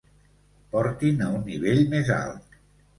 Portin a un nivell més alt.